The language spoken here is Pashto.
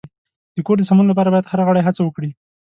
د کور د سمون لپاره باید هر غړی هڅه وکړي.